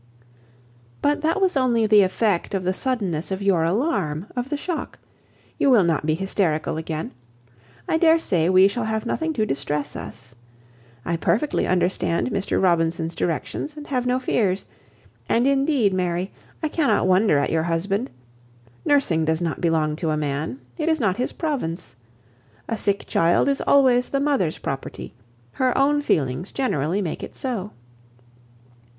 "But that was only the effect of the suddenness of your alarm—of the shock. You will not be hysterical again. I dare say we shall have nothing to distress us. I perfectly understand Mr Robinson's directions, and have no fears; and indeed, Mary, I cannot wonder at your husband. Nursing does not belong to a man; it is not his province. A sick child is always the mother's property: her own feelings generally make it so."